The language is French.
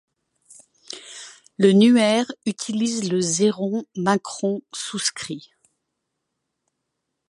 Le nuer utilise le O macron souscrit.